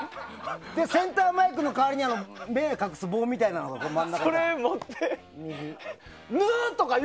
センターマイクの代わりに目を隠す棒みたいなものを持って。